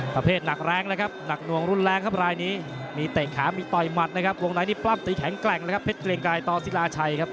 ประเภทหนักแรงเลยครับหนักหน่วงรุนแรงครับรายนี้มีเตะขามีต่อยหมัดนะครับวงในนี่ปล้ำตีแข็งแกร่งเลยครับเพชรเกรียงกายต่อศิลาชัยครับ